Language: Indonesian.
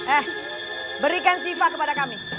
eh berikan sifat kepada kami